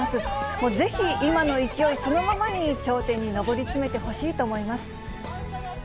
もうぜひ、今の勢いそのままに頂点に登り詰めてほしいと思います。